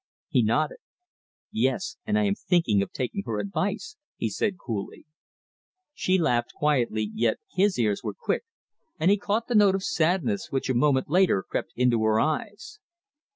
He nodded. "Yes! And I am thinking of taking her advice," he said coolly. She laughed quietly, yet his ears were quick, and he caught the note of sadness which a moment later crept into her eyes.